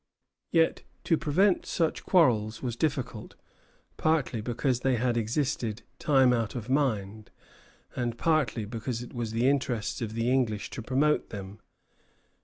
Yet to prevent such quarrels was difficult, partly because they had existed time out of mind, and partly because it was the interest of the English to promote them.